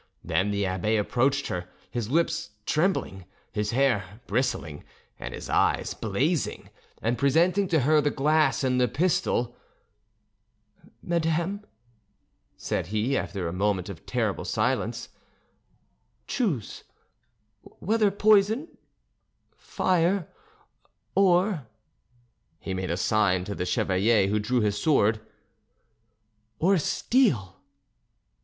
Then the abbe approached her, his lips trembling; his hair bristling and his eyes blazing, and, presenting to her the glass and the pistol, "Madame," said he, after a moment of terrible silence, "choose, whether poison, fire, or"—he made a sign to the chevalier, who drew his sword—"or steel."